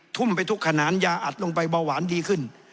ทุ่มไปทุกขนานยาอัดลงไปเบาหวานดีขึ้น